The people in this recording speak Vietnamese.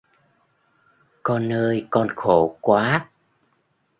Con ơi con khổ quá